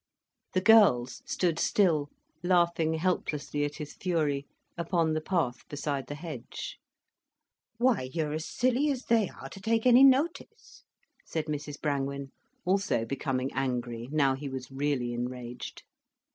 The girls stood still, laughing helplessly at his fury, upon the path beside the hedge. "Why you're as silly as they are, to take any notice," said Mrs Brangwen also becoming angry now he was really enraged.